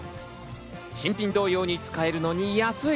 新品同様に使えるのに安い！